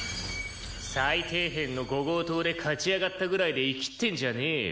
最底辺の伍号棟で勝ち上がったぐらいでイキってんじゃねえよ。